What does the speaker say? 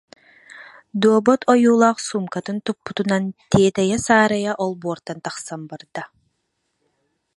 дуобат ойуулаах суумкатын туппутунан тиэтэйэ-саарайа олбуортан тахсан барда